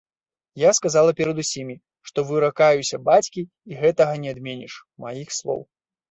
Я сказала перад усімі, што выракаюся бацькі і гэтага не адменіш, маіх слоў.